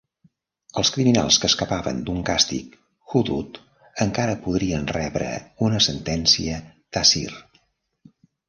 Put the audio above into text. Els criminals que escapaven d'un càstig "hudud" encara podrien rebre una sentència "ta'zir".